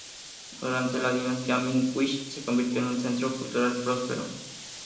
Durante la dinastía Ming, Wuxi se convirtió en un centro cultural próspero.